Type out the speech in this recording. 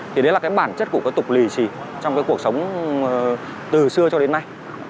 thì đấy là cái bản chất của cái tục lì xì trong cái cuộc sống từ xưa cho đến nay